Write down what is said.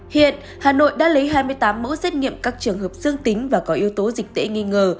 hiện hà nội đã lấy hai mươi tám mẫu xét nghiệm các trường hợp dương tính và có yếu tố dịch tễ nghi ngờ